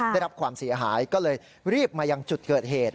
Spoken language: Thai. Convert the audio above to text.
ได้รับความเสียหายก็เลยรีบมายังจุดเกิดเหตุ